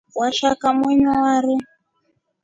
Washaka wenywa wari.